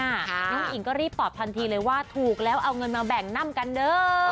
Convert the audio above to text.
น้องอุ้งอิ๋งก็รีบตอบทันทีเลยว่าถูกแล้วเอาเงินมาแบ่งนำกันเด้อ